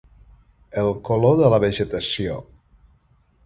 El color de la vegetació.